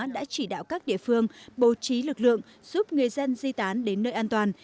đã chỉ đạo các địa phương bố trí lực lượng giúp người dân di tán đến nơi an toàn